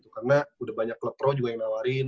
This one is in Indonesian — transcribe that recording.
karena udah banyak klub pro yang nawarin